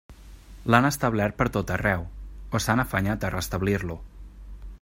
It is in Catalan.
L'han establert pertot arreu, o s'han afanyat a restablir-lo.